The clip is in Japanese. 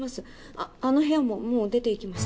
あっあの部屋ももう出ていきました。